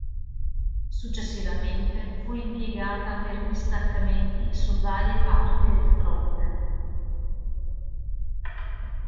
Successivamente fu impiegata per distaccamenti su varie parti del fronte.